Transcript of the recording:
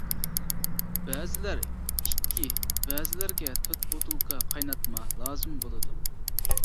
بەزىلەر ئىككى، بەزىلەرگە تۆت بوتۇلكا قايناتما لازىم بولىدۇ.